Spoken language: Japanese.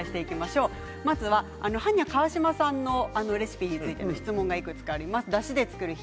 まずははんにゃ．川島さんのレシピについて質問がいくつかきています。